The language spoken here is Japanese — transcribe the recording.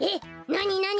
なになに？